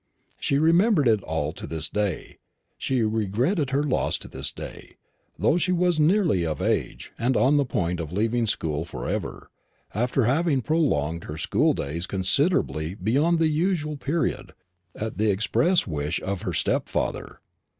She remembered it all to this day; she regretted her loss to this day, though she was nearly of age, and on the point of leaving school for ever, after having prolonged her school days considerably beyond the usual period, at the express wish of her stepfather.